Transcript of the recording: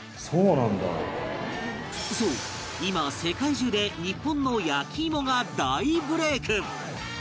そう今世界中で日本の焼き芋が大ブレーク